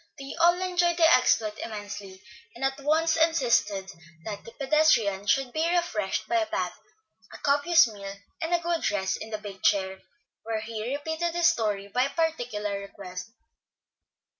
They all enjoyed the exploit immensely, and at once insisted that the pedestrian should be refreshed by a bath, a copious meal, and a good rest in the big chair, where he repeated his story by particular request.